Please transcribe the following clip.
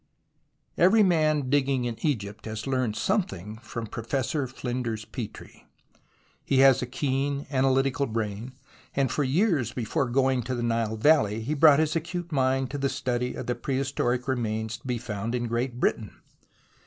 Every man digging in Egypt has learned some thing from Professor Flinders Petrie. He has a keen, analytical brain, and for years before going to the Nile valley he brought his acute mind to the study of the prehistoric remains to be found in Great Britain.